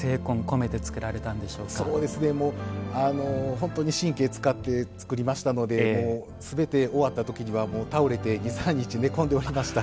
本当に神経使って作りましたので全て終わった時には倒れて２３日寝込んでおりました。